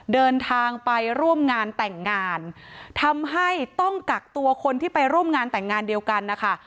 เดินทางไปร่วมงานแต่งงานทำให้ต้องกักตัวคนที่ไปร่วมงานแต่งงานเดียวกันนะคะ